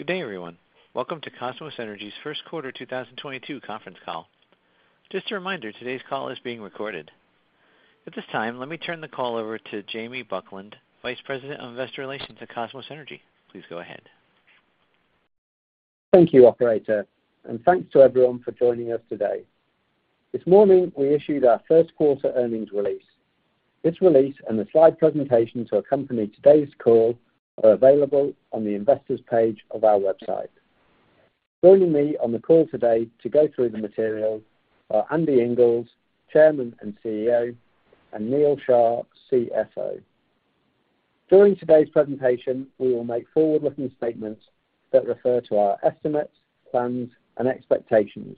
Good day, everyone. Welcome to Kosmos Energy's first quarter 2022 conference call. Just a reminder, today's call is being recorded. At this time, let me turn the call over to Jamie Buckland, Vice President of Investor Relations at Kosmos Energy. Please go ahead. Thank you, operator, and thanks to everyone for joining us today. This morning, we issued our first quarter earnings release. This release and the slide presentation to accompany today's call are available on the investors page of our website. Joining me on the call today to go through the material are Andy Inglis, Chairman and CEO, and Neal Shah, CFO. During today's presentation, we will make forward-looking statements that refer to our estimates, plans, and expectations.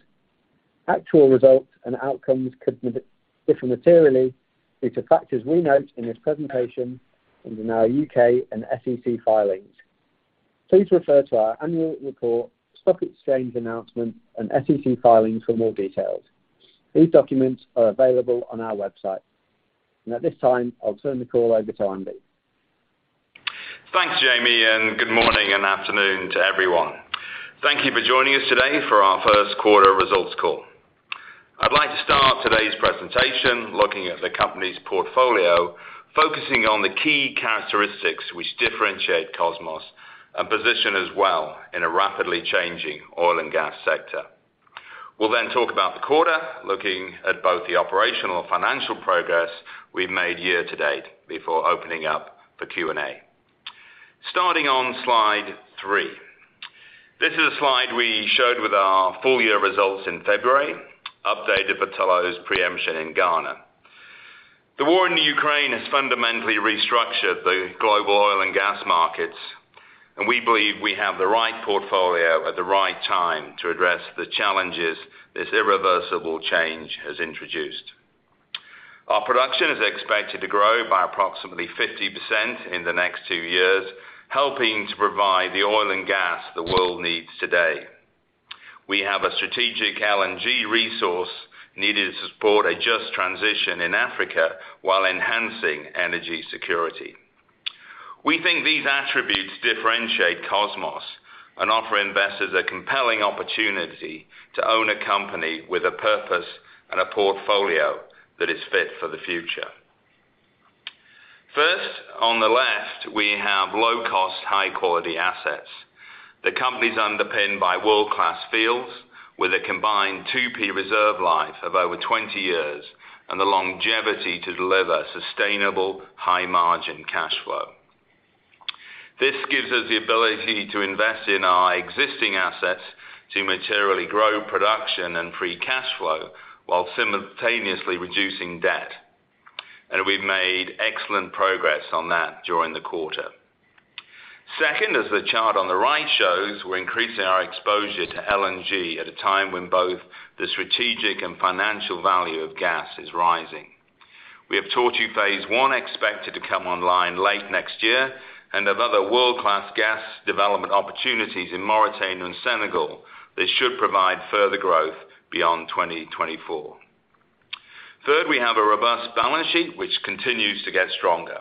Actual results and outcomes could differ materially due to factors we note in this presentation and in our U.K. and SEC filings. Please refer to our annual report, stock exchange announcement, and SEC filings for more details. These documents are available on our website. At this time, I'll turn the call over to Andy. Thanks, Jamie, and good morning and afternoon to everyone. Thank you for joining us today for our first quarter results call. I'd like to start today's presentation looking at the company's portfolio, focusing on the key characteristics which differentiate Kosmos and position us well in a rapidly changing oil and gas sector. We'll then talk about the quarter, looking at both the operational and financial progress we've made year-to-date before opening up for Q&A. Starting on slide three. This is a slide we showed with our full year results in February, updated for Tullow's pre-emption in Ghana. The war in the Ukraine has fundamentally restructured the global oil and gas markets, and we believe we have the right portfolio at the right time to address the challenges this irreversible change has introduced. Our production is expected to grow by approximately 50% in the next 2 years, helping to provide the oil and gas the world needs today. We have a strategic LNG resource needed to support a just transition in Africa while enhancing energy security. We think these attributes differentiate Kosmos and offer investors a compelling opportunity to own a company with a purpose and a portfolio that is fit for the future. First, on the left, we have low-cost, high-quality assets. The company's underpinned by world-class fields with a combined 2P reserve life of over 20 years and the longevity to deliver sustainable high-margin cash flow. This gives us the ability to invest in our existing assets to materially grow production and free cash flow while simultaneously reducing debt. We've made excellent progress on that during the quarter. Second, as the chart on the right shows, we're increasing our exposure to LNG at a time when both the strategic and financial value of gas is rising. We have Tortue Phase One expected to come online late next year and have other world-class gas development opportunities in Mauritania and Senegal. This should provide further growth beyond 2024. Third, we have a robust balance sheet which continues to get stronger.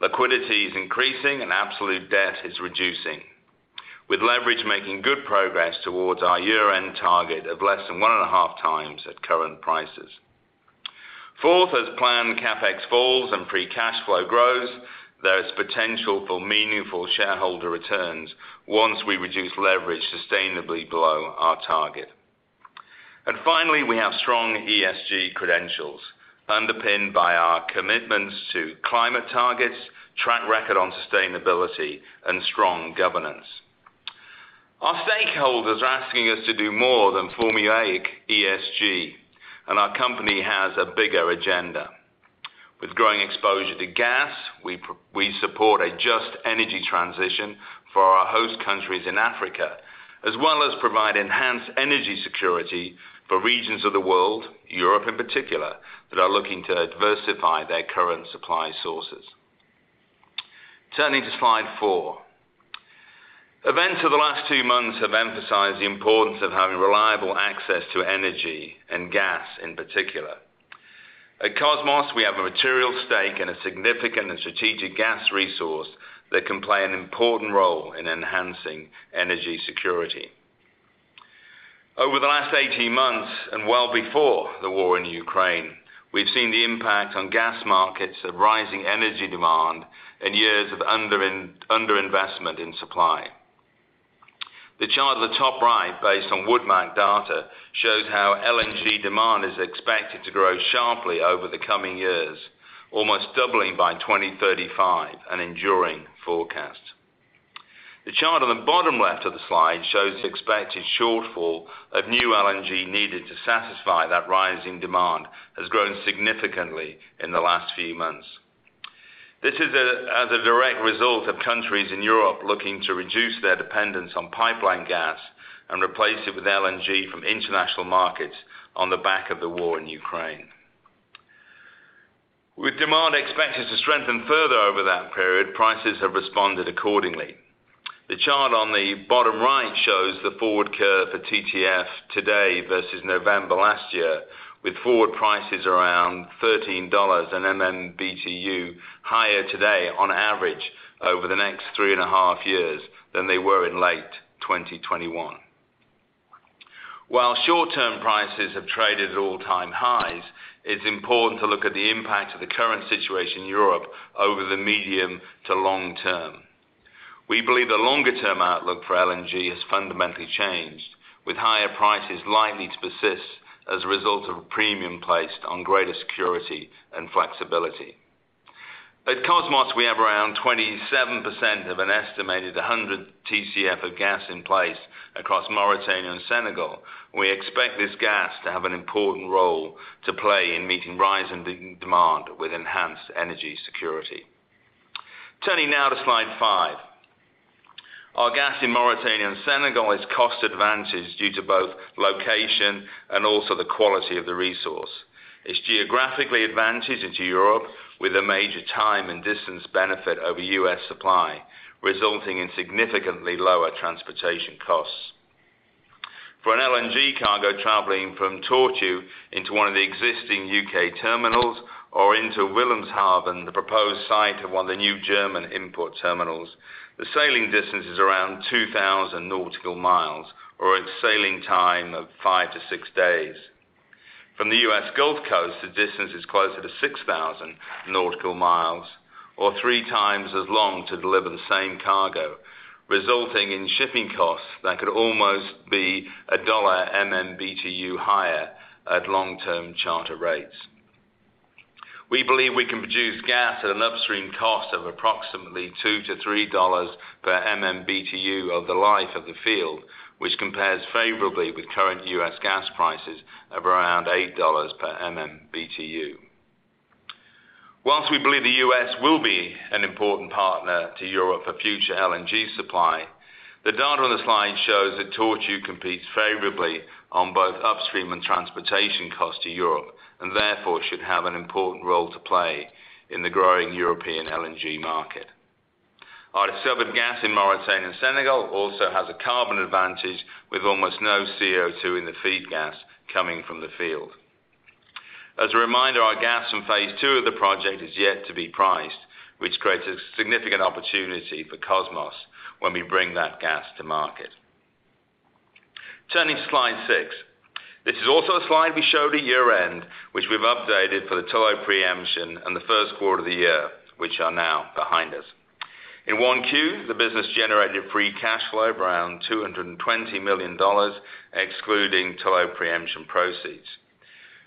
Liquidity is increasing and absolute debt is reducing, with leverage making good progress towards our year-end target of less than 1.5 times at current prices. Fourth, as planned, CapEx falls and free cash flow grows. There's potential for meaningful shareholder returns once we reduce leverage sustainably below our target. Finally, we have strong ESG credentials underpinned by our commitments to climate targets, track record on sustainability, and strong governance. Our stakeholders are asking us to do more than formulaic ESG, and our company has a bigger agenda. With growing exposure to gas, we support a just energy transition for our host countries in Africa, as well as provide enhanced energy security for regions of the world, Europe in particular, that are looking to diversify their current supply sources. Turning to slide 4. Events of the last two months have emphasized the importance of having reliable access to energy and gas in particular. At Kosmos, we have a material stake and a significant and strategic gas resource that can play an important role in enhancing energy security. Over the last 18 months, and well before the war in Ukraine, we've seen the impact on gas markets of rising energy demand and years of underinvestment in supply. The chart at the top right, based on WoodMac data, shows how LNG demand is expected to grow sharply over the coming years, almost doubling by 2035, an enduring forecast. The chart on the bottom left of the slide shows the expected shortfall of new LNG needed to satisfy that rising demand has grown significantly in the last few months. This is as a direct result of countries in Europe looking to reduce their dependence on pipeline gas and replace it with LNG from international markets on the back of the war in Ukraine. With demand expected to strengthen further over that period, prices have responded accordingly. The chart on the bottom right. The forward curve for TTF today versus November last year, with forward prices around $13/MMBtu higher today on average over the next 3.5 years than they were in late 2021. While short-term prices have traded at all-time highs, it's important to look at the impact of the current situation in Europe over the medium to long term. We believe the longer-term outlook for LNG has fundamentally changed, with higher prices likely to persist as a result of a premium placed on greater security and flexibility. At Kosmos, we have around 27% of an estimated 100 TCF of gas in place across Mauritania and Senegal. We expect this gas to have an important role to play in meeting rising demand with enhanced energy security. Turning now to slide 5. Our gas in Mauritania and Senegal is cost advantaged due to both location and also the quality of the resource. It's geographically advantaged into Europe with a major time and distance benefit over U.S. supply, resulting in significantly lower transportation costs. For an LNG cargo traveling from Tortue into one of the existing U.K. terminals or into Wilhelmshaven, the proposed site of one of the new German import terminals, the sailing distance is around 2,000 nautical miles or a sailing time of 5-6 days. From the U.S. Gulf Coast, the distance is closer to 6,000 nautical miles or three times as long to deliver the same cargo, resulting in shipping costs that could almost be $1/MMBtu higher at long-term charter rates. We believe we can produce gas at an upstream cost of approximately $2-$3 per MMBtu of the life of the field, which compares favorably with current U.S. gas prices of around $8 per MMBtu. While we believe the U.S. will be an important partner to Europe for future LNG supply, the data on the slide shows that Tortue competes favorably on both upstream and transportation costs to Europe, and therefore should have an important role to play in the growing European LNG market. Our discovered gas in Mauritania and Senegal also has a carbon advantage with almost no CO2 in the feed gas coming from the field. As a reminder, our gas from phase 2 of the project is yet to be priced, which creates a significant opportunity for Kosmos when we bring that gas to market. Turning to slide 6. This is also a slide we showed at year-end, which we've updated for the Tullow preemption in the first quarter of the year, which are now behind us. In 1Q, the business generated free cash flow of around $220 million, excluding Tullow preemption proceeds.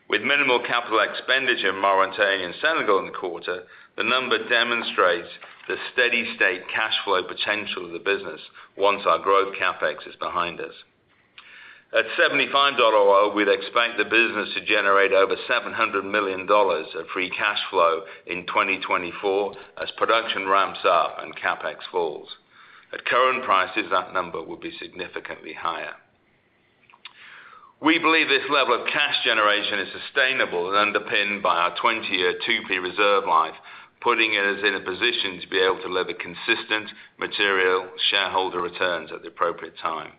With minimal capital expenditure in Mauritania and Senegal in the quarter, the number demonstrates the steady state cash flow potential of the business once our growth CapEx is behind us. At $75 oil, we'd expect the business to generate over $700 million of free cash flow in 2024 as production ramps up and CapEx falls. At current prices, that number will be significantly higher. We believe this level of cash generation is sustainable and underpinned by our 20-year 2P reserve life, putting us in a position to be able to deliver consistent material shareholder returns at the appropriate time.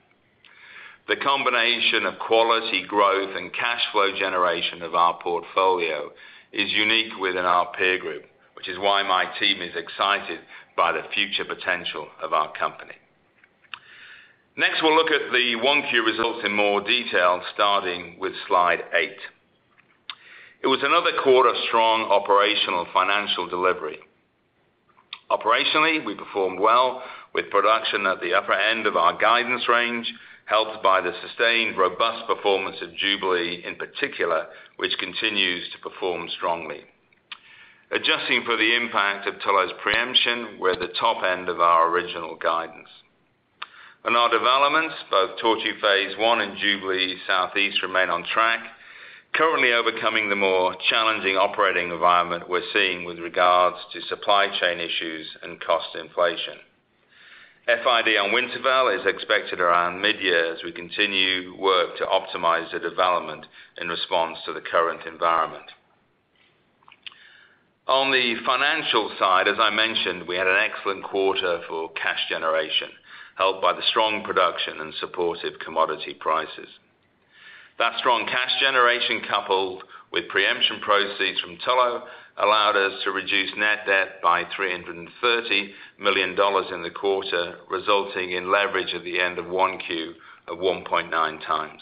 The combination of quality growth and cash flow generation of our portfolio is unique within our peer group, which is why my team is excited by the future potential of our company. Next, we'll look at the 1Q results in more detail, starting with slide 8. It was another quarter of strong operational financial delivery. Operationally, we performed well with production at the upper end of our guidance range, helped by the sustained robust performance of Jubilee in particular, which continues to perform strongly. Adjusting for the impact of Tullow's preemption, we're at the top end of our original guidance. On our developments, both Tortue phase one and Jubilee Southeast remain on track, currently overcoming the more challenging operating environment we're seeing with regards to supply chain issues and cost inflation. FID on Winterfell is expected around mid-year as we continue work to optimize the development in response to the current environment. On the financial side, as I mentioned, we had an excellent quarter for cash generation, helped by the strong production and supportive commodity prices. That strong cash generation coupled with preemption proceeds from Tullow allowed us to reduce net debt by $330 million in the quarter, resulting in leverage at the end of 1Q of 1.9 times.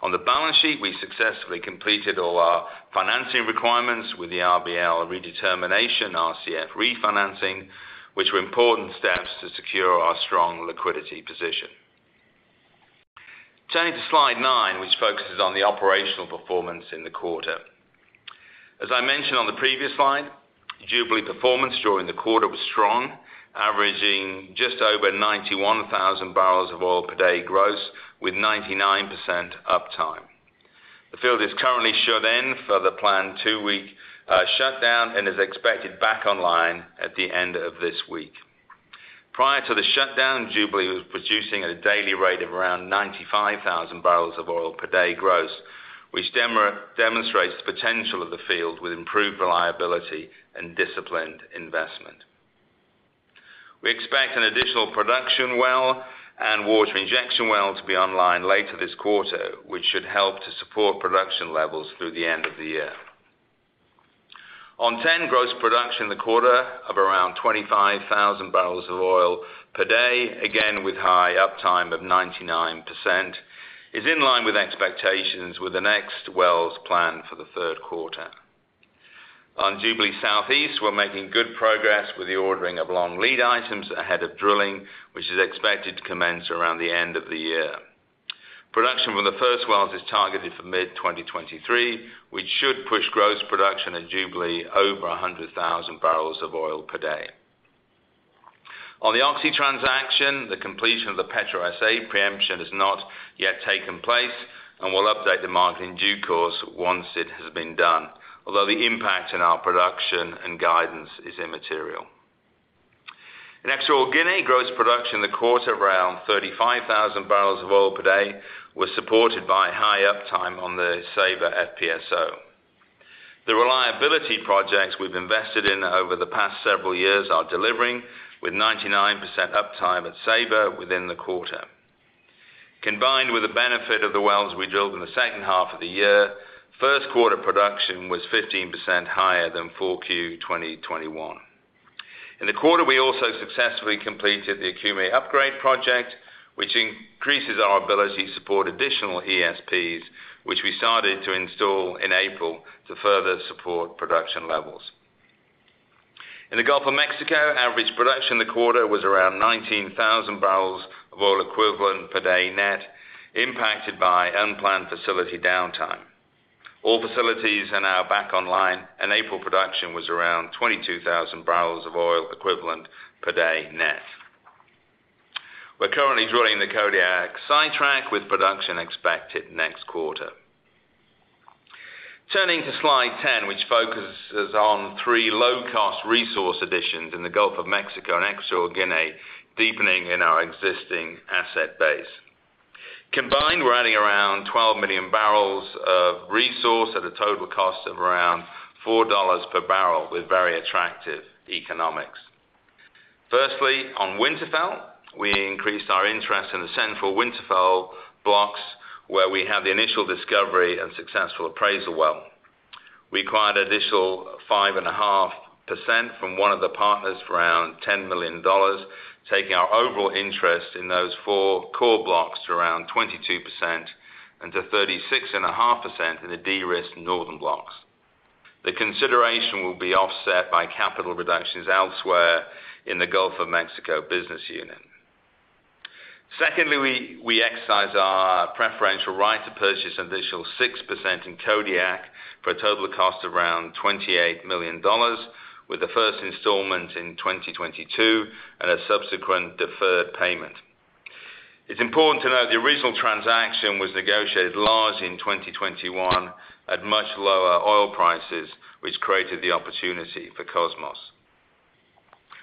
On the balance sheet, we successfully completed all our financing requirements with the RBL redetermination, RCF refinancing, which were important steps to secure our strong liquidity position. Turning to slide 9, which focuses on the operational performance in the quarter. As I mentioned on the previous slide, Jubilee performance during the quarter was strong, averaging just over 91,000 barrels of oil per day gross with 99% uptime. The field is currently shut in for the planned two-week shutdown and is expected back online at the end of this week. Prior to the shutdown, Jubilee was producing at a daily rate of around 95,000 barrels of oil per day gross, which demonstrates the potential of the field with improved reliability and disciplined investment. We expect an additional production well and water injection well to be online later this quarter, which should help to support production levels through the end of the year. On TEN, gross production in the quarter of around 25,000 barrels of oil per day, again with high uptime of 99%, is in line with expectations, with the next wells planned for the third quarter. On Jubilee Southeast, we're making good progress with the ordering of long lead items ahead of drilling, which is expected to commence around the end of the year. Production from the first wells is targeted for mid-2023, which should push gross production at Jubilee over 100,000 barrels of oil per day. On the Oxy transaction, the completion of the PetroSA pre-emption has not yet taken place, and we'll update the market in due course once it has been done. Although the impact in our production and guidance is immaterial. In Equatorial Guinea, gross production in the quarter of around 35,000 barrels of oil per day was supported by high uptime on the Ceiba FPSO. The reliability projects we've invested in over the past several years are delivering with 99% uptime at Ceiba within the quarter. Combined with the benefit of the wells we drilled in the second half of the year, first quarter production was 15% higher than full Q 2021. In the quarter, we also successfully completed the Okume Upgrade project, which increases our ability to support additional ESPs, which we started to install in April to further support production levels. In the Gulf of Mexico, average production in the quarter was around 19,000 barrels of oil equivalent per day net, impacted by unplanned facility downtime. All facilities are now back online, and April production was around 22,000 barrels of oil equivalent per day net. We're currently drilling the Kodiak sidetrack with production expected next quarter. Turning to slide 10, which focuses on three low-cost resource additions in the Gulf of Mexico and Equatorial Guinea, deepening in our existing asset base. Combined, we're adding around 12 million barrels of resource at a total cost of around $4 per barrel with very attractive economics. Firstly, on Winterfell, we increased our interest in the central Winterfell blocks where we have the initial discovery and successful appraisal well. We acquired additional 5.5% from one of the partners for around $10 million, taking our overall interest in those four core blocks to around 22% and to 36.5% in the de-risked northern blocks. The consideration will be offset by capital reductions elsewhere in the Gulf of Mexico business unit. Secondly, we exercise our preferential right to purchase additional 6% in Kodiak for a total cost of around $28 million with the first installment in 2022 and a subsequent deferred payment. It's important to note the original transaction was negotiated large in 2021 at much lower oil prices, which created the opportunity for Kosmos.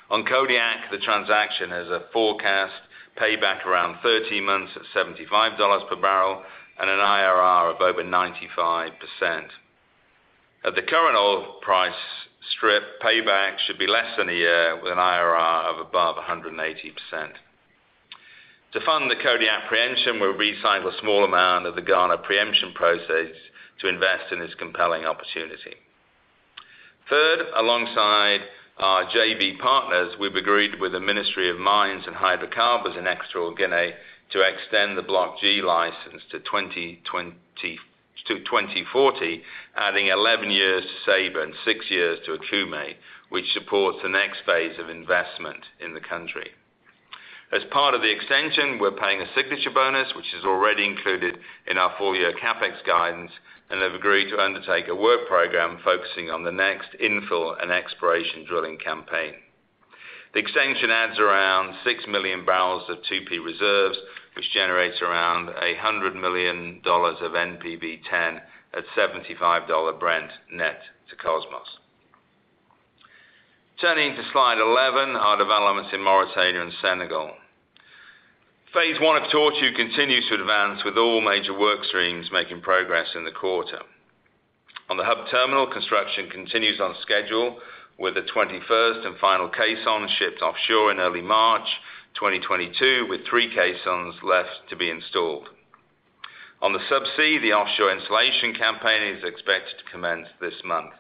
On Kodiak, the transaction has a forecast payback around 13 months at $75 per barrel and an IRR of over 95%. At the current oil price strip, payback should be less than a year with an IRR of above 180%. To fund the Kodiak preemption, we'll recycle a small amount of the Ghana preemption proceeds to invest in this compelling opportunity. Third, alongside our JV partners, we've agreed with the Ministry of Mines and Hydrocarbons in Equatorial Guinea to extend the Block G license to 2040, adding 11 years to Ceiba and 6 years to Okume, which supports the next phase of investment in the country. As part of the extension, we're paying a signature bonus, which is already included in our full year CapEx guidance, and have agreed to undertake a work program focusing on the next infill and exploration drilling campaign. The extension adds around 6 million barrels of 2P reserves, which generates around $100 million of NPV10 at $75 Brent net to Kosmos. Turning to slide 11, our developments in Mauritania and Senegal. Phase 1 of Tortue continues to advance with all major work streams making progress in the quarter. On the hub terminal, construction continues on schedule with the 21st and final caisson shipped offshore in early March 2022, with 3 caissons left to be installed. On the subsea, the offshore installation campaign is expected to commence this month.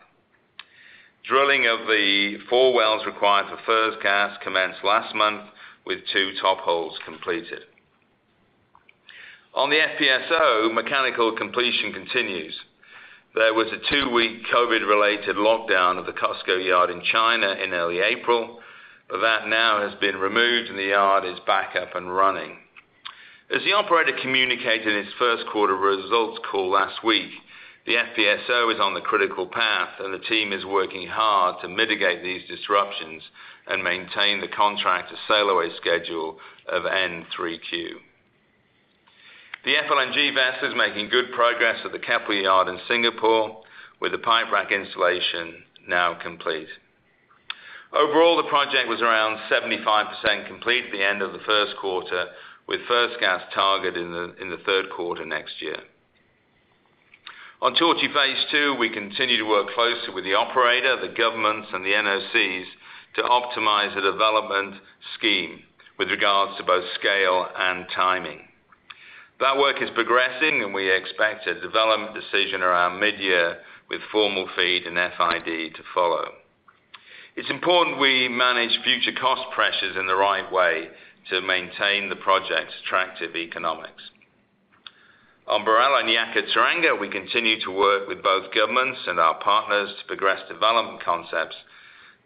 Drilling of the 4 wells required for first gas commenced last month, with 2 top holes completed. On the FPSO, mechanical completion continues. There was a 2-week COVID-related lockdown of the COSCO Yard in China in early April, but that now has been removed and the yard is back up and running. As the operator communicated in its first quarter results call last week, the FPSO is on the critical path and the team is working hard to mitigate these disruptions and maintain the contract to sail away schedule of end 3Q. The FLNG vessel is making good progress at the Keppel Yard in Singapore with the pipe rack installation now complete. Overall, the project was around 75% complete at the end of the first quarter, with first gas targeted in the third quarter next year. On Tortue Phase 2, we continue to work closely with the operator, the governments, and the NOCs to optimize the development scheme with regards to both scale and timing. That work is progressing, and we expect a development decision around mid-year with formal FEED and FID to follow. It's important we manage future cost pressures in the right way to maintain the project's attractive economics. On BirAllah and Yakaar-Teranga, we continue to work with both governments and our partners to progress development concepts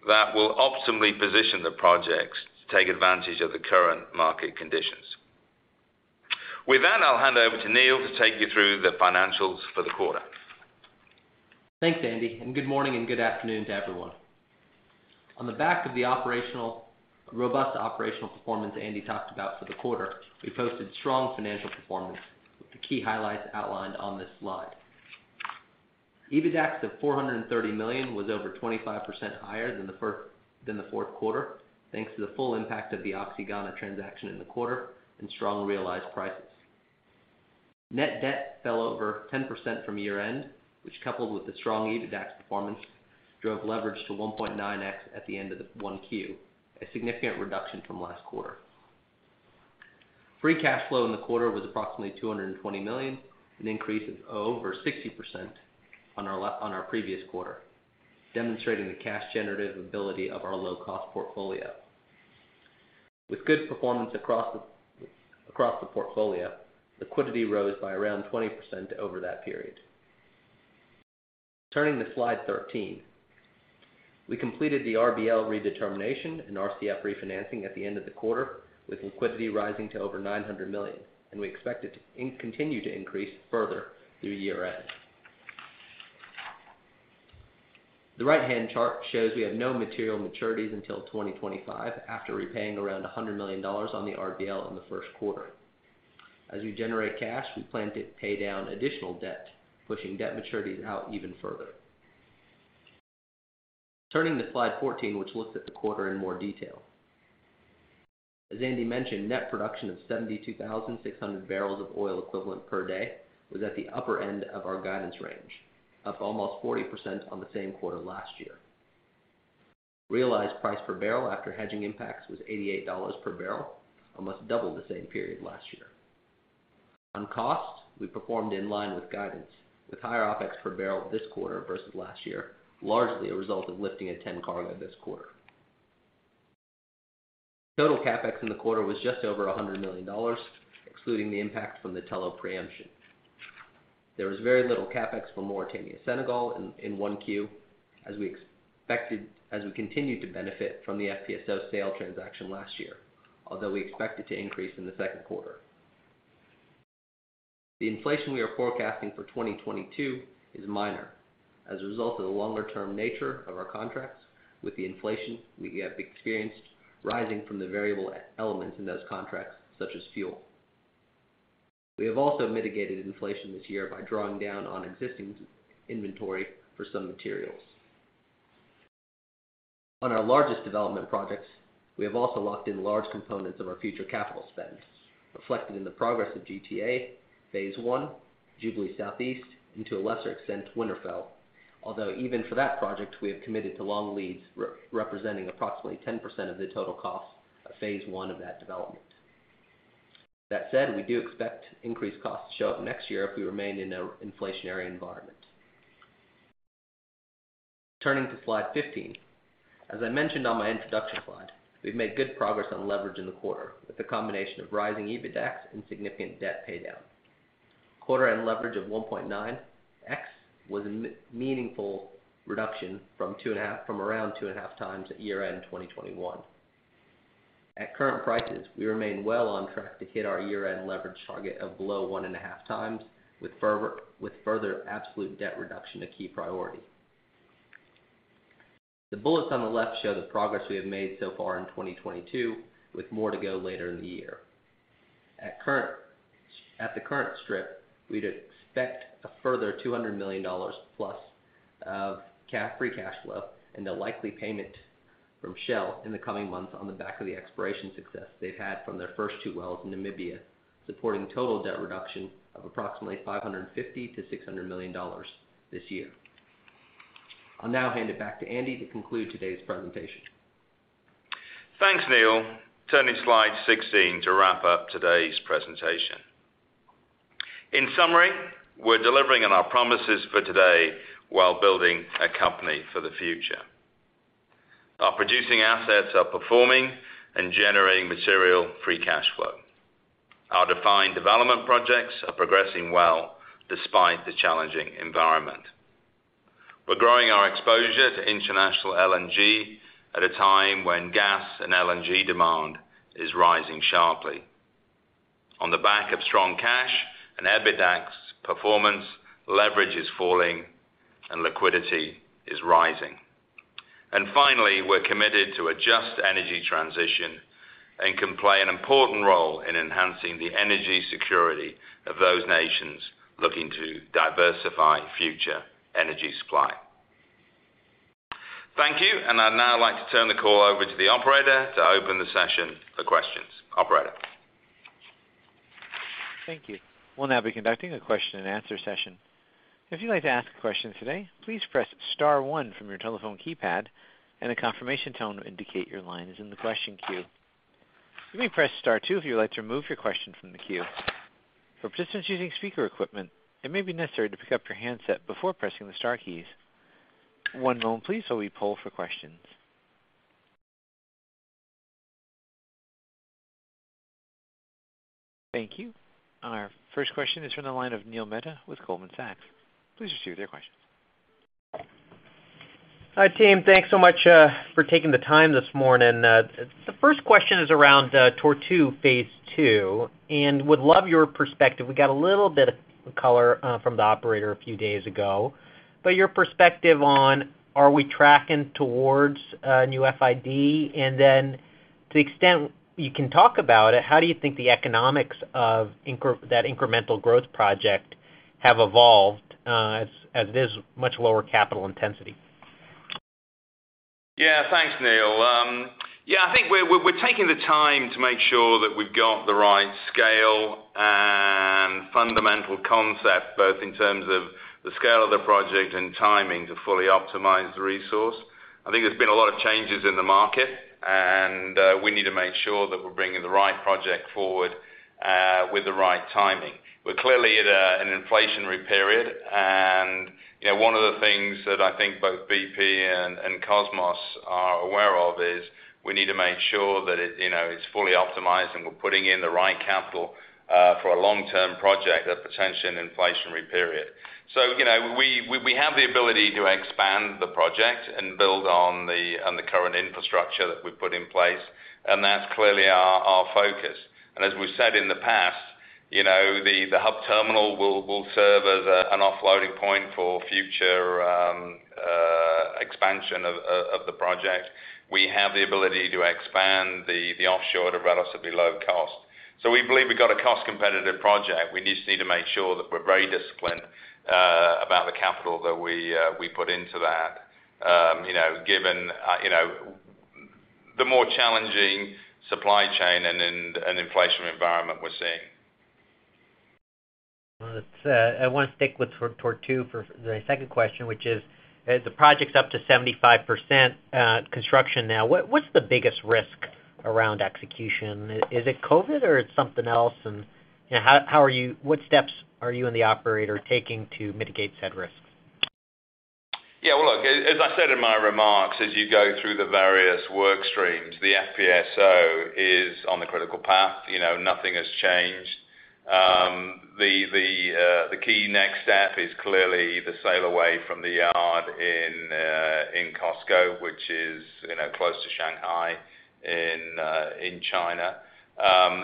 that will optimally position the projects to take advantage of the current market conditions. With that, I'll hand over to Neal to take you through the financials for the quarter. Thanks, Andy, and good morning and good afternoon to everyone. On the back of the robust operational performance Andy talked about for the quarter, we posted strong financial performance, with the key highlights outlined on this slide. EBITDAX of $430 million was over 25% higher than the fourth quarter, thanks to the full impact of the Oxy Ghana transaction in the quarter and strong realized prices. Net debt fell over 10% from year-end, which, coupled with the strong EBITDAX performance, drove leverage to 1.9x at the end of the 1Q, a significant reduction from last quarter. Free cash flow in the quarter was approximately $220 million, an increase of over 60% on our previous quarter, demonstrating the cash generative ability of our low-cost portfolio. With good performance across the portfolio, liquidity rose by around 20% over that period. Turning to slide 13. We completed the RBL redetermination and RCF refinancing at the end of the quarter, with liquidity rising to over $900 million, and we expect it to continue to increase further through year-end. The right-hand chart shows we have no material maturities until 2025 after repaying around $100 million on the RBL in the first quarter. As we generate cash, we plan to pay down additional debt, pushing debt maturities out even further. Turning to slide 14, which looks at the quarter in more detail. As Andy mentioned, net production of 72,600 barrels of oil equivalent per day was at the upper end of our guidance range, up almost 40% on the same quarter last year. Realized price per barrel after hedging impacts was $88 per barrel, almost double the same period last year. On costs, we performed in line with guidance, with higher OPEX per barrel this quarter versus last year, largely a result of lifting a TEN cargo this quarter. Total CapEx in the quarter was just over $100 million, excluding the impact from the Tullow pre-emption. There was very little CapEx for Mauritania/Senegal in 1Q as we continued to benefit from the FPSO sale transaction last year, although we expect it to increase in the second quarter. The inflation we are forecasting for 2022 is minor as a result of the longer-term nature of our contracts with the inflation we have experienced rising from the variable elements in those contracts, such as fuel. We have also mitigated inflation this year by drawing down on existing inventory for some materials. On our largest development projects, we have also locked in large components of our future capital spend, reflected in the progress of GTA phase one, Jubilee Southeast, and to a lesser extent, Winterfell. Although even for that project, we have committed to long leads representing approximately 10% of the total cost of phase one of that development. That said, we do expect increased costs to show up next year if we remain in an inflationary environment. Turning to slide 15. As I mentioned on my introduction slide, we've made good progress on leverage in the quarter with a combination of rising EBITDAX and significant debt paydown. Quarter-end leverage of 1.9x was a meaningful reduction from around 2.5 times at year-end 2021. At current prices, we remain well on track to hit our year-end leverage target of below 1.5 times with further absolute debt reduction a key priority. The bullets on the left show the progress we have made so far in 2022, with more to go later in the year. At the current strip, we'd expect a further $200 million plus of free cash flow and the likely payment from Shell in the coming months on the back of the exploration success they've had from their first two wells in Namibia, supporting total debt reduction of approximately $550 million-$600 million this year. I'll now hand it back to Andy to conclude today's presentation. Thanks, Neal. Turning to slide 16 to wrap up today's presentation. In summary, we're delivering on our promises for today while building a company for the future. Our producing assets are performing and generating material free cash flow. Our defined development projects are progressing well despite the challenging environment. We're growing our exposure to international LNG at a time when gas and LNG demand is rising sharply. On the back of strong cash and EBITDAX performance, leverage is falling and liquidity is rising. And finally, we're committed to a just energy transition and can play an important role in enhancing the energy security of those nations looking to diversify future energy supply. Thank you. And I'd now like to turn the call over to the operator to open the session for questions. Operator? Thank you. We'll now be conducting a question-and-answer session. If you'd like to ask a question today, please press star one from your telephone keypad, and a confirmation tone will indicate your line is in the question queue. You may press star two if you would like to remove your question from the queue. For participants using speaker equipment, it may be necessary to pick up your handset before pressing the star keys. One moment please while we poll for questions. Thank you. Our first question is from the line of Neil Mehta with Goldman Sachs. Please proceed with your questions. Hi, team. Thanks so much for taking the time this morning. The first question is around Tortue phase two, and would love your perspective. We got a little bit of color from the operator a few days ago. Your perspective on are we tracking towards a new FID? And then to the extent you can talk about it, how do you think the economics of that incremental growth project have evolved, as it is much lower capital intensity? Yeah. Thanks, Neil. Yeah, I think we're taking the time to make sure that we've got the right scale and fundamental concept, both in terms of the scale of the project and timing to fully optimize the resource. I think there's been a lot of changes in the market, and we need to make sure that we're bringing the right project forward, with the right timing. We're clearly at an inflationary period. You know, one of the things that I think both BP and Kosmos are aware of is we need to make sure that it, you know, is fully optimized, and we're putting in the right capital, for a long-term project at potentially an inflationary period. You know, we have the ability to expand the project and build on the current infrastructure that we've put in place, and that's clearly our focus. As we've said in the past, you know, the hub terminal will serve as an offloading point for future expansion of the project. We have the ability to expand the offshore at a relatively low cost. We believe we've got a cost-competitive project. We just need to make sure that we're very disciplined about the capital that we put into that, you know, given the more challenging supply chain and inflationary environment we're seeing. Let's I wanna stick with Tort-Tortue for the second question, which is, the project's up to 75% construction now. What's the biggest risk around execution? Is it COVID or it's something else? You know, what steps are you and the operator taking to mitigate said risks? Yeah. Well, look, as I said in my remarks, as you go through the various work streams, the FPSO is on the critical path. You know, nothing has changed. The key next step is clearly the sail away from the yard in COSCO, which is, you know, close to Shanghai in China.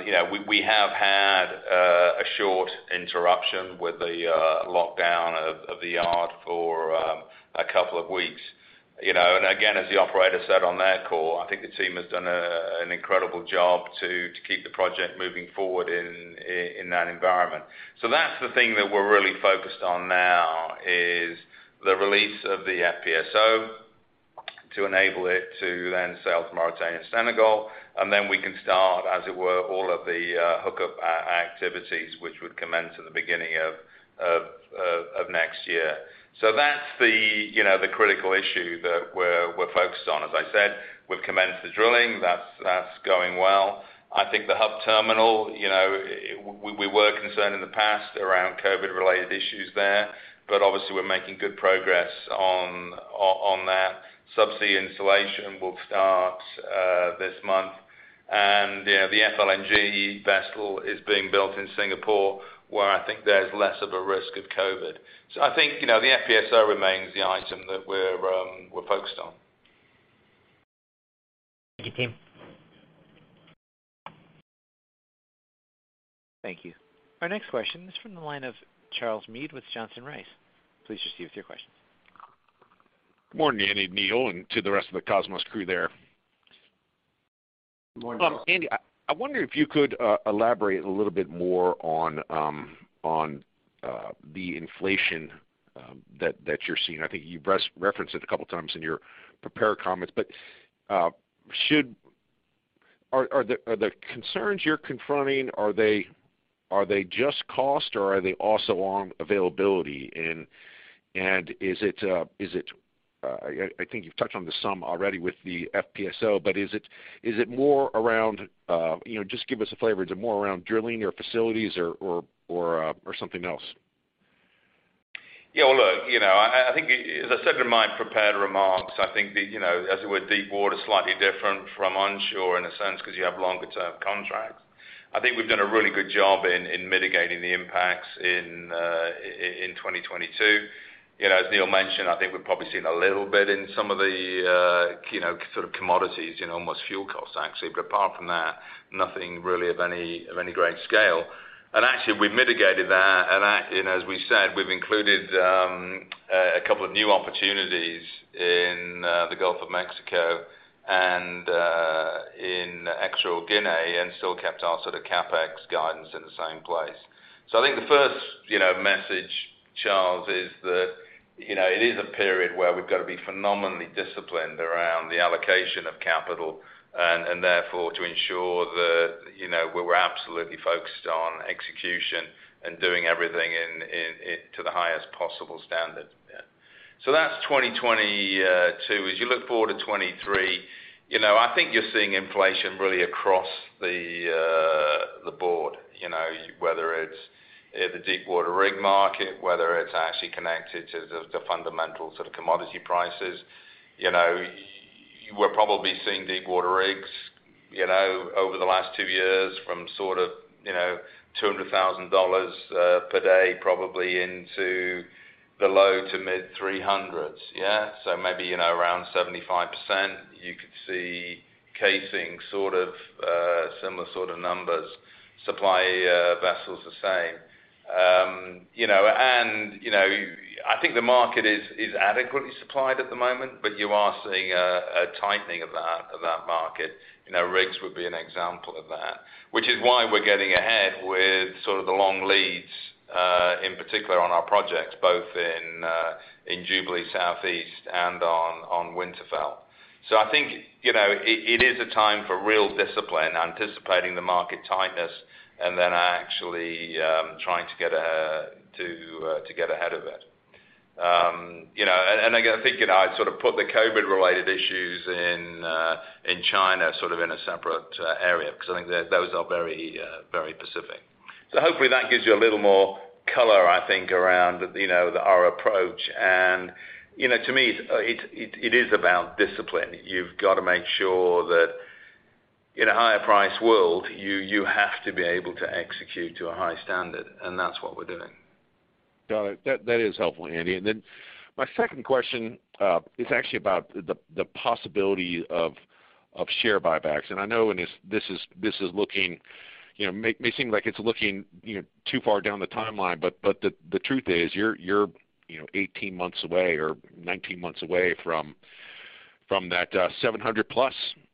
You know, we have had a short interruption with the lockdown of the yard for a couple of weeks. You know, and again, as the operator said on their call, I think the team has done an incredible job to keep the project moving forward in that environment. That's the thing that we're really focused on now, is the release of the FPSO to enable it to then sail to Mauritania, Senegal, and then we can start, as it were, all of the hookup activities which would commence at the beginning of next year. That's the critical issue that we're focused on. As I said, we've commenced the drilling. That's going well. I think the hub terminal, you know, we were concerned in the past around COVID-related issues there, but obviously we're making good progress on that. Subsea installation will start this month. You know, the FLNG vessel is being built in Singapore, where I think there's less of a risk of COVID. I think the FPSO remains the item that we're focused on. Thank you, team. Thank you. Our next question is from the line of Charles Meade with Johnson Rice. Please proceed with your question. Morning, Andy, Neal, and to the rest of the Kosmos crew there. Morning. Andy, I wonder if you could elaborate a little bit more on the inflation that you're seeing. I think you referenced it a couple times in your prepared comments. Are the concerns you're confronting just cost or are they also on availability? I think you've touched on this some already with the FPSO, but is it more around, you know, just give us a flavor. Is it more around drilling, or facilities or something else? Well, look, you know, I think as I said in my prepared remarks, I think the, you know, as it were deepwater is slightly different from onshore in a sense because you have longer term contracts. I think we've done a really good job in mitigating the impacts in 2022. You know, as Neal mentioned, I think we've probably seen a little bit in some of the, you know, sort of commodities, you know, almost fuel costs actually. But apart from that, nothing really of any great scale. Actually, we've mitigated that. As we said, we've included a couple of new opportunities in the Gulf of Mexico and in Equatorial Guinea and still kept our sort of CapEx guidance in the same place. I think the first, you know, message, Charles, is that, you know, it is a period where we've got to be phenomenally disciplined around the allocation of capital and therefore to ensure that, you know, we're absolutely focused on execution and doing everything into the highest possible standard. Yeah. That's 2022. As you look forward to 2023, you know, I think you're seeing inflation really across the board, you know. Whether it's the deepwater rig market, whether it's actually connected to the fundamentals of commodity prices. You know, you were probably seeing deepwater rigs, you know, over the last two years from sort of, you know, $200,000 per day, probably into the low to mid $300s. Yeah. So maybe, you know, around 75%. You could see casing sort of similar sort of numbers, supply vessels the same. You know, you know, I think the market is adequately supplied at the moment, but you are seeing a tightening of that market. You know, rigs would be an example of that, which is why we're getting ahead with sort of the long leads in particular on our projects, both in Jubilee Southeast and on Winterfell. I think, you know, it is a time for real discipline, anticipating the market tightness and then actually trying to get to get ahead of it. You know, again, I think, you know, I sort of put the COVID-related issues in China, sort of in a separate area because I think that those are very specific. Hopefully that gives you a little more color, I think, around, you know, our approach and, you know, to me, it is about discipline. You've got to make sure that in a higher price world, you have to be able to execute to a high standard. That's what we're doing. Got it. That is helpful, Andy. My second question is actually about the possibility of share buybacks. I know this may seem like it's looking too far down the timeline, but the truth is you're you know, 18 months away or 19 months away from that $700+ million.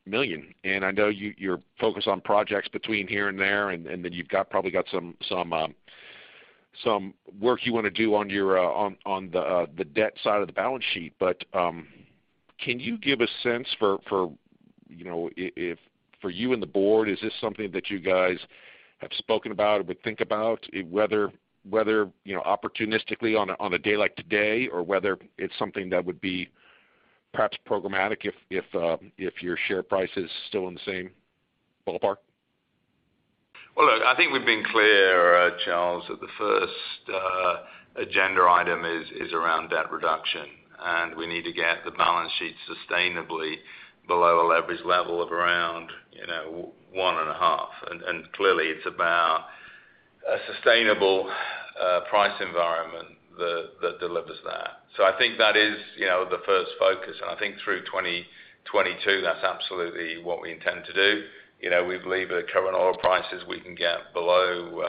I know you're focused on projects between here and there, and then you've got probably some work you want to do on the debt side of the balance sheet. Can you give a sense for, you know, if for you and the board, is this something that you guys have spoken about or would think about? Whether you know, opportunistically on a day like today or whether it's something that would be perhaps programmatic if your share price is still in the same ballpark? Well, look, I think we've been clear, Charles, that the first agenda item is around debt reduction, and we need to get the balance sheet sustainably below a leverage level of around 1.5. Clearly it's about a sustainable price environment that delivers that. I think that is the first focus. I think through 2022, that's absolutely what we intend to do. You know, we believe at current oil prices, we can get below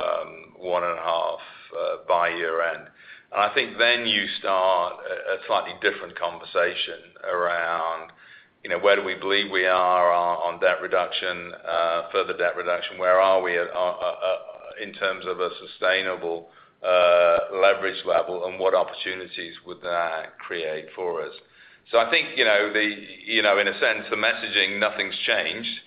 1.5 by year-end. I think then you start a slightly different conversation around where do we believe we are on debt reduction, further debt reduction. Where are we at in terms of a sustainable leverage level, and what opportunities would that create for us? I think, you know, the you know, in a sense, the messaging. Nothing's changed.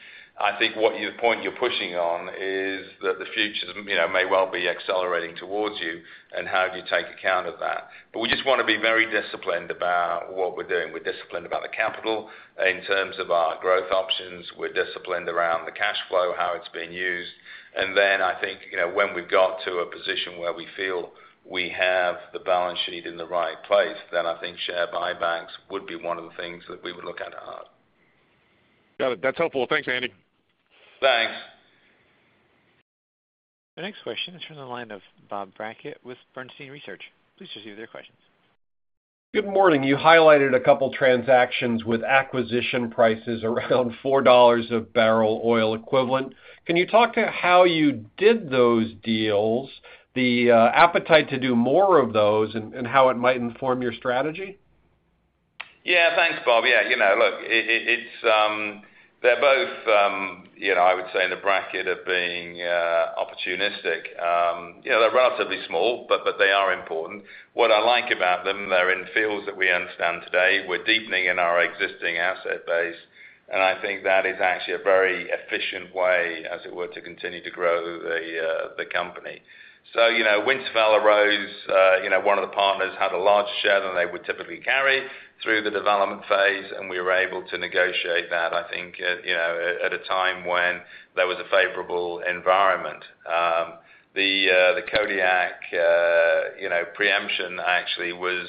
I think the point you're pushing on is that the future, you know, may well be accelerating towards you and how do you take account of that. We just want to be very disciplined about what we're doing. We're disciplined about the capital in terms of our growth options. We're disciplined around the cash flow, how it's being used. I think, you know, when we've got to a position where we feel we have the balance sheet in the right place, then I think share buybacks would be one of the things that we would look at hard. Got it. That's helpful. Thanks, Andy. Thanks. The next question is from the line of Bob Brackett with Bernstein Research. Please proceed with your questions. Good morning. You highlighted a couple transactions with acquisition prices around $4 a barrel oil equivalent. Can you talk to how you did those deals, the appetite to do more of those, and how it might inform your strategy? Yeah. Thanks, Bob. Yeah, you know, look, it's they're both, you know, I would say in the bracket of being opportunistic. You know, they're relatively small, but they are important. What I like about them, they're in fields that we understand today. We're deepening in our existing asset base, and I think that is actually a very efficient way, as it were, to continue to grow the company. You know, Winterfell arose, you know, one of the partners had a larger share than they would typically carry through the development phase, and we were able to negotiate that, I think, you know, at a time when there was a favorable environment. The Kodiak preemption actually was,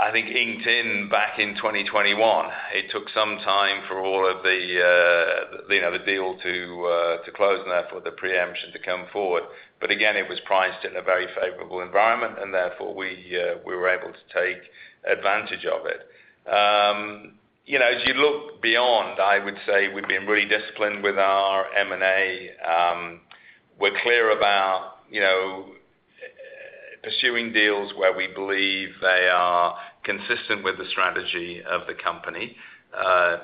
I think, inked in back in 2021. It took some time for all of the, you know, the deal to close and therefore the preemption to come forward. Again, it was priced in a very favorable environment, and therefore we were able to take advantage of it. You know, as you look beyond, I would say we've been really disciplined with our M&A. We're clear about, you know, pursuing deals where we believe they are consistent with the strategy of the company.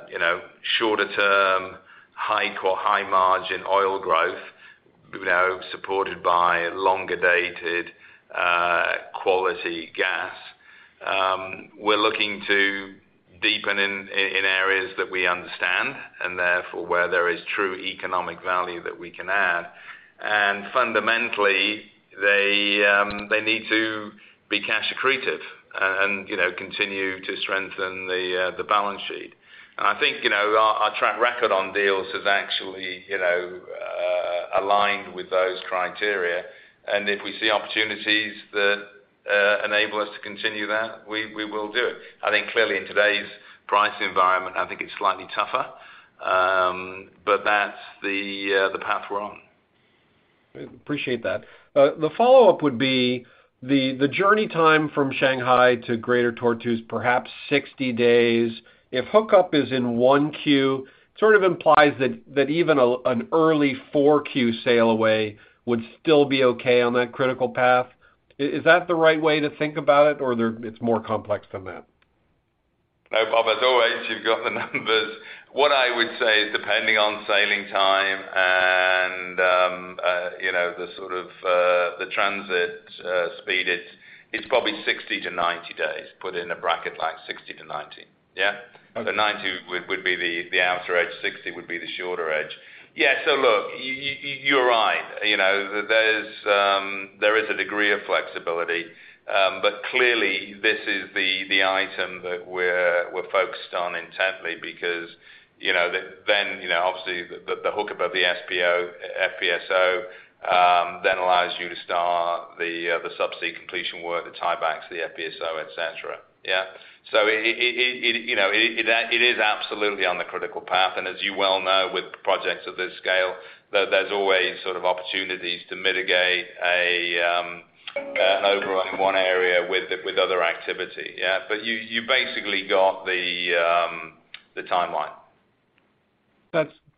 You know, shorter term, high margin oil growth, you know, supported by longer-dated, quality gas. We're looking to deepen in areas that we understand, and therefore, where there is true economic value that we can add. Fundamentally, they need to be cash accretive and, you know, continue to strengthen the balance sheet. I think, you know, our track record on deals has actually, you know, aligned with those criteria. If we see opportunities that enable us to continue that, we will do it. I think clearly in today's price environment, I think it's slightly tougher. That's the path we're on. Appreciate that. The follow-up would be the journey time from Shanghai to Greater Tortue is perhaps 60 days. If hookup is in 1Q, sort of implies that even an early 4Q sail away would still be okay on that critical path. Is that the right way to think about it, or it's more complex than that? No, Bob, as always, you've got the numbers. What I would say is, depending on sailing time and, you know, the sort of, the transit, speed, it's probably 60-90 days. Put it in a bracket like 60-90. Yeah? Okay. 90 would be the outer edge, 60 would be the shorter edge. Yeah. Look, you're right. You know, there is a degree of flexibility. But clearly this is the item that we're focused on intently because, you know, then, you know, obviously the hookup of the FPSO then allows you to start the subsea completion work, the tiebacks, the FPSO, et cetera. Yeah. You know, it is absolutely on the critical path. And as you well know, with projects of this scale, there's always sort of opportunities to mitigate an overrun in one area with other activity. Yeah. You basically got the timeline.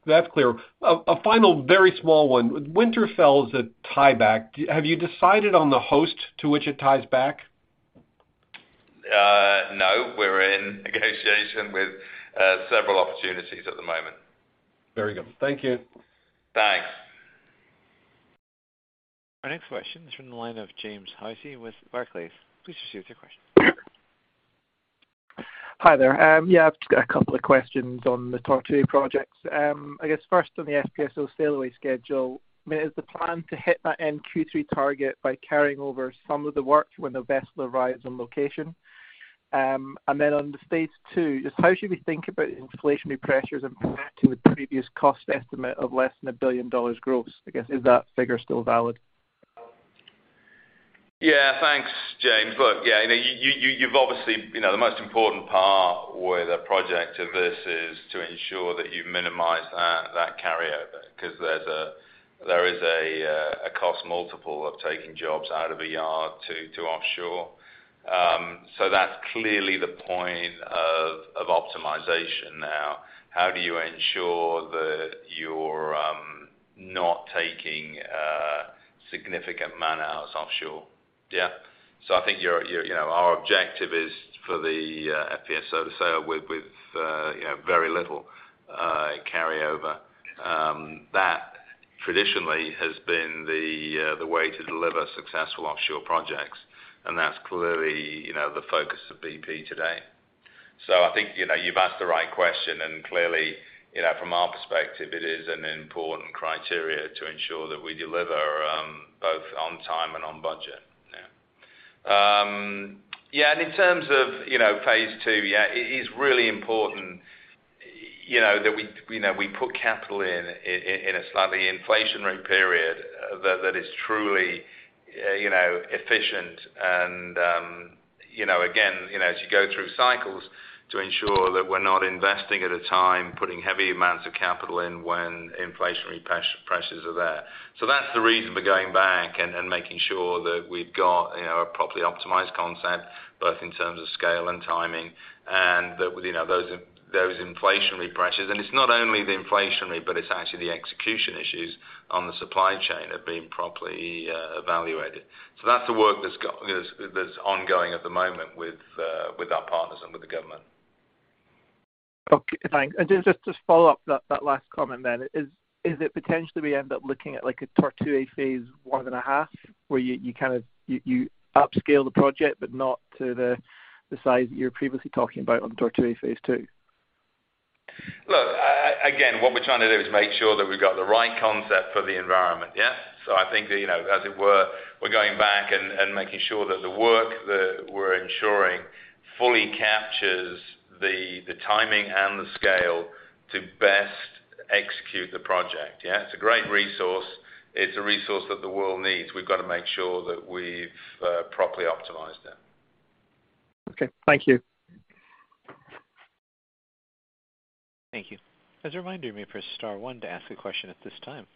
That's clear. A final very small one. Winterfell is a tieback. Have you decided on the host to which it ties back? No. We're in negotiation with several opportunities at the moment. Very good. Thank you. Thanks. Our next question is from the line of James Hosie with Barclays. Please proceed with your question. Hi there. Yeah, I've just got a couple of questions on the Tortue projects. I guess first on the FPSO sail away schedule, I mean, is the plan to hit that end Q3 target by carrying over some of the work when the vessel arrives on location? And then on the stage two, just how should we think about inflationary pressures impacting the previous cost estimate of less than $1 billion gross? I guess, is that figure still valid? Yeah, thanks, James. Look, yeah, you know, you've obviously. You know, the most important part with a project of this is to ensure that you minimize that carryover, 'cause there's a cost multiple of taking jobs out of a yard to offshore. So that's clearly the point of optimization now. How do you ensure that you're not taking a significant man-hours offshore? Yeah. So I think you're. You know, our objective is for the FPSO to sail with you know, very little carryover. That traditionally has been the way to deliver successful offshore projects, and that's clearly you know, the focus of BP today. I think, you know, you've asked the right question, and clearly, you know, from our perspective, it is an important criteria to ensure that we deliver both on time and on budget. Yeah. Yeah, and in terms of, you know, phase two, yeah, it is really important, you know, that we, you know, we put capital in in a slightly inflationary period that is truly, you know, efficient and, you know, again, you know, as you go through cycles to ensure that we're not investing at a time, putting heavy amounts of capital in when inflationary pressures are there. That's the reason we're going back and making sure that we've got, you know, a properly optimized concept, both in terms of scale and timing. That, you know, there is inflationary pressures. It's not only the inflationary, but it's actually the execution issues on the supply chain are being properly evaluated. That's the work that's ongoing at the moment with our partners and with the government. Okay, thanks. Just to follow up that last comment then. Is it potentially we end up looking at like a Tortue phase one and a half where you kind of upscale the project but not to the size that you were previously talking about on Tortue phase two? Look, again, what we're trying to do is make sure that we've got the right concept for the environment, yeah? I think that, you know, as it were, we're going back and making sure that the work that we're ensuring fully captures the timing and the scale to best execute the project, yeah. It's a great resource. It's a resource that the world needs. We've got to make sure that we've properly optimized it. Okay. Thank you. Thank you. As a reminder, you may press star one to ask a question at this time.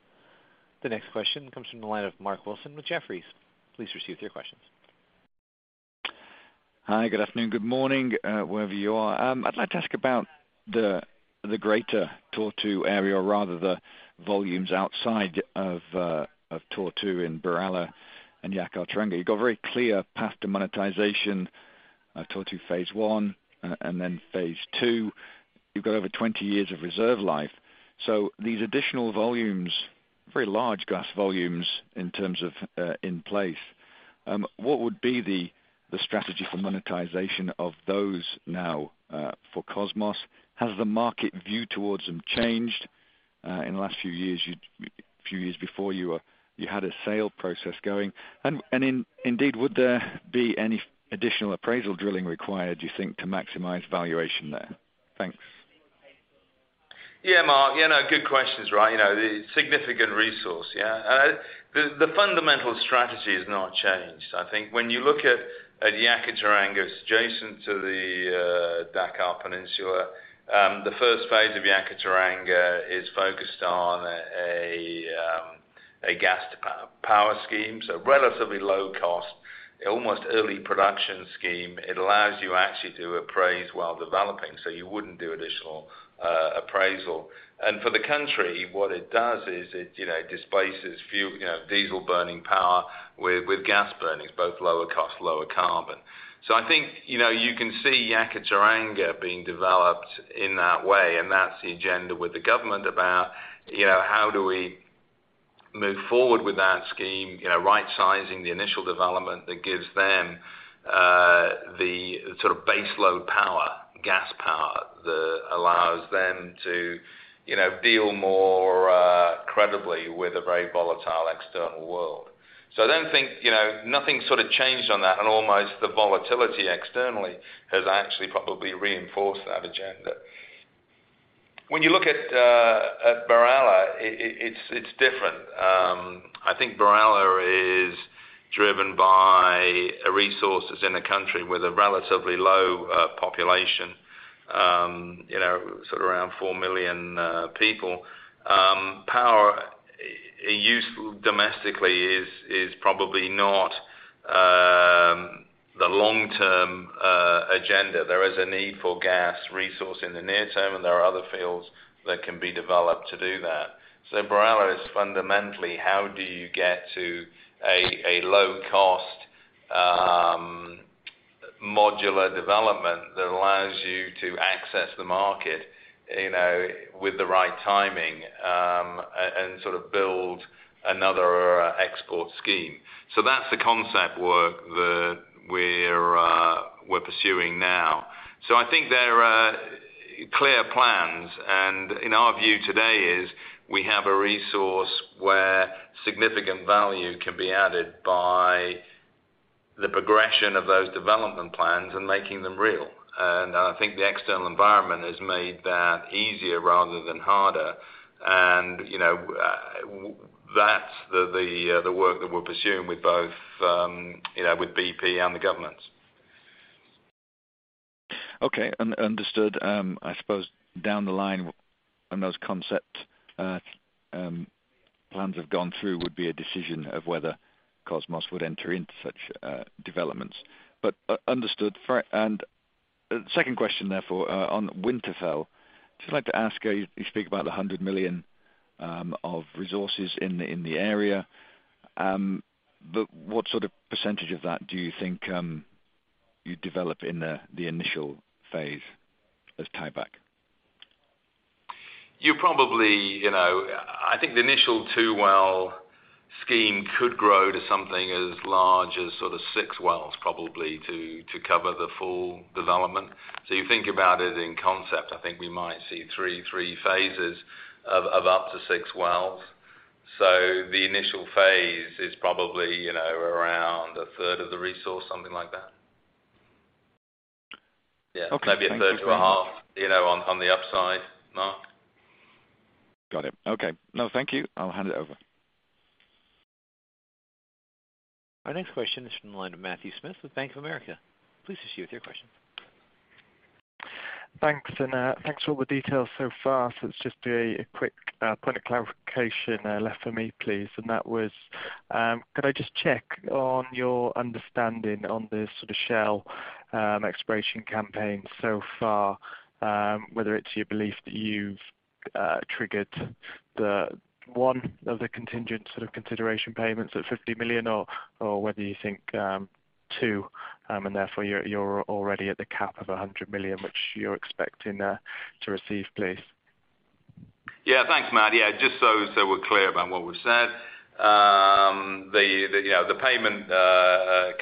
The next question comes from the line of Mark Wilson with Jefferies. Please proceed with your questions. Hi, good afternoon, good morning, wherever you are. I'd like to ask about the greater Tortue area, rather the volumes outside of Tortue in BirAllah and Yakaar-Teranga. You've got a very clear path to monetization of Tortue phase one, and then phase two. You've got over 20 years of reserve life. These additional volumes, very large gas volumes in terms of in place. What would be the strategy for monetization of those now for Kosmos? Has the market view toward them changed in the last few years? A few years before, you had a sale process going. Indeed, would there be any additional appraisal drilling required, do you think, to maximize valuation there? Thanks. Yeah, Mark. You know, good questions, right. You know, the significant resource, yeah. The fundamental strategy has not changed. I think when you look at Yakaar-Teranga, it's adjacent to the Cap-Vert Peninsula. The first phase of Yakaar-Teranga is focused on a gas to power scheme, so relatively low cost, almost early production scheme. It allows you actually to appraise while developing, so you wouldn't do additional appraisal. For the country, what it does is it, you know, displaces diesel burning power with gas burning, both lower cost, lower carbon. I think, you know, you can see Yakaar-Teranga being developed in that way, and that's the agenda with the government about, you know, how do we move forward with that scheme, you know, right sizing the initial development that gives them the sort of base load power, gas power that allows them to, you know, deal more credibly with a very volatile external world. I don't think, you know, nothing sort of changed on that. Almost the volatility externally has actually probably reinforced that agenda. When you look at BirAllah, it's different. I think BirAllah is driven by resources in the country with a relatively low population, you know, sort of around 4 million people. Power use domestically is probably not the long-term agenda. There is a need for gas resource in the near term, and there are other fields that can be developed to do that. BirAllah is fundamentally how do you get to a low cost modular development that allows you to access the market, you know, with the right timing and sort of build another export scheme. That's the concept work that we're pursuing now. I think there are clear plans and in our view today is we have a resource where significant value can be added by the progression of those development plans and making them real. I think the external environment has made that easier rather than harder. You know, that's the work that we're pursuing with both, you know, with BP and the governments. Understood. I suppose down the line when those concept plans have gone through would be a decision of whether Kosmos would enter into such developments. Understood. Second question therefore on Winterfell, just like to ask you speak about the 100 million of resources in the area. What sort of percentage of that do you think you'd develop in the initial phase of tieback? You probably, you know, I think the initial 2 well scheme could grow to something as large as sort of 6 wells probably to cover the full development. You think about it in concept, I think we might see three phases of up to 6 wells. The initial phase is probably, you know, around a third of the resource, something like that. Okay, thank you for that. Yeah, maybe a third to a half, you know, on the upside, Mark. Got it. Okay. No, thank you. I'll hand it over. Our next question is from the line of Matthew Smith with Bank of America Merrill Lynch. Please proceed with your question. Thanks. Thanks for all the details so far. It's just a quick point of clarification left for me, please. That was, could I just check on your understanding on the sort of Shell exploration campaign so far, whether it's your belief that you've triggered the one of the contingent sort of consideration payments at $50 million or whether you think two, and therefore you're already at the cap of $100 million which you're expecting to receive, please? Yeah, thanks, Matt. Yeah, just so we're clear about what we've said. You know, the payment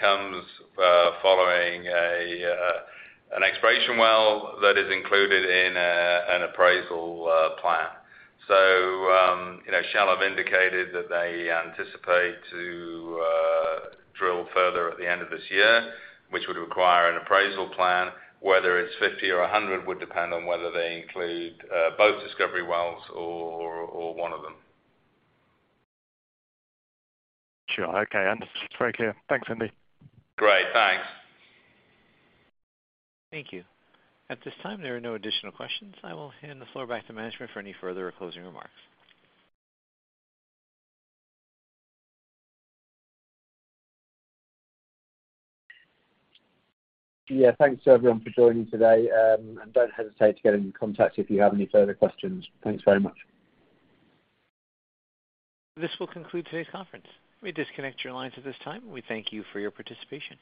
comes following an exploration well that is included in an appraisal plan. You know, Shell have indicated that they anticipate to drill further at the end of this year, which would require an appraisal plan. Whether it's 50 or 100 would depend on whether they include both discovery wells or one of them. Sure. Okay. Understood. Very clear. Thanks, Andy. Great. Thanks. Thank you. At this time, there are no additional questions. I will hand the floor back to management for any further closing remarks. Yeah, thanks everyone for joining today. Don't hesitate to get in contact if you have any further questions. Thanks very much. This will conclude today's conference. We disconnect your lines at this time. We thank you for your participation.